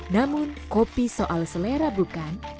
namun kopi soal selera bukan